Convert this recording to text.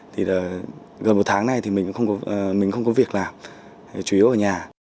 thì gần một tháng này thì mình cũng không có việc làm chủ yếu ở nhà